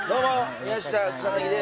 宮下草薙です。